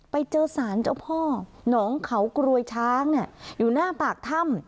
ไปเจอสารเจ้าพ่อหนองเขากรวยช้างอยู่หน้าปากถ้ำ